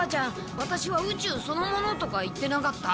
「ワタシは宇宙そのもの」とか言ってなかった？